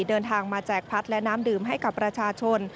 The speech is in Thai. เดินทางมาแจกพัดและน้ำดื่มให้กับประชาชน